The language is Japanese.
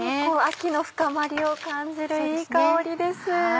秋の深まりを感じるいい香りです。